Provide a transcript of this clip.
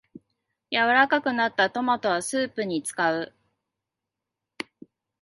柔らかくなったトマトはスープに使う